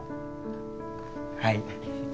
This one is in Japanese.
はい。